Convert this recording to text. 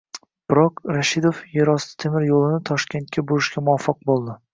Biroq, Rashidov "er osti temir yo'lini" Toshkentga burishga muvaffaq bo'ldi